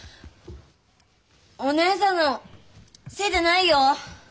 お義姉さんのせいじゃないよ。